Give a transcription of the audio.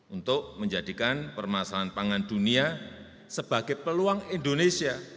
untuk menjadikan permasalahan pangan dunia sebagai peluang indonesia